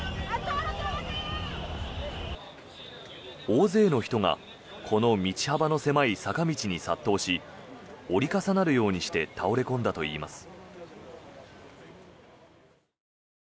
大勢の人がこの道幅の狭い坂道に殺到し折り重なるようにして倒れ込んだといいます。